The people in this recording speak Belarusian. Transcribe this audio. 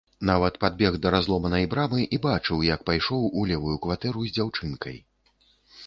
Нават падбег да разломанай брамы і бачыў, як пайшоў у левую кватэру з дзяўчынкай.